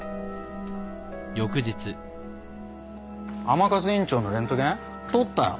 甘春院長のレントゲン？撮ったよ。